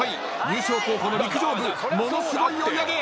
優勝候補の陸上部ものすごい追い上げ！